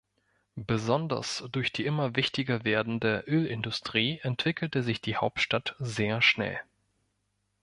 Besonders durch die immer wichtiger werdende Ölindustrie entwickelte sich die Hauptstadt sehr schnell.